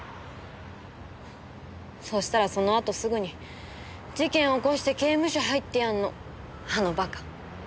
そしたらそのあとすぐに事件起こして刑務所入ってやんのあのバカ。